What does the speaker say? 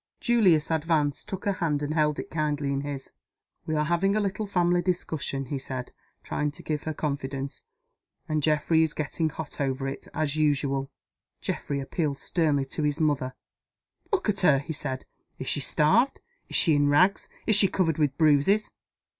Julius advanced, took her hand, and held it kindly in his. "We are having a little family discussion," he said, trying to give her confidence. "And Geoffrey is getting hot over it, as usual." Geoffrey appealed sternly to his mother. "Look at her!" he said. "Is she starved? Is she in rags? Is she covered with bruises?"